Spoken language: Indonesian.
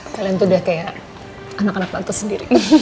kalian tuh udah kayak anak anak aku sendiri